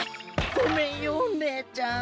ごめんよねえちゃん。